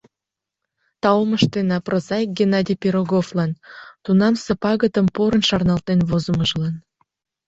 Таум ыштена прозаик Геннадий Пироговлан — тунамсе пагытым порын шарналтен возымыжлан.